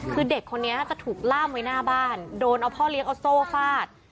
คือเด็กคนนี้จะถูกล่ามไว้หน้าบ้านโดนเอาพ่อเลี้ยงเอาโซ่ฟาด